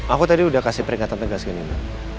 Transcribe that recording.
aku tadi udah kasih peringatan tegas ke nino